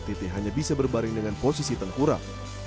titi hanya bisa berbaring dengan posisi tengkurang